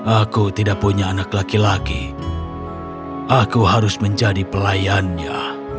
aku tidak punya anak laki laki aku harus menjadi pelayannya